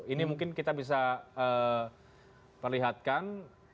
ini mungkin kita bisa perlihatkan